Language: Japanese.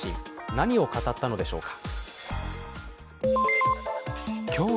何を語ったのでしょうか。